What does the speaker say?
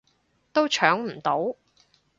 都搶唔到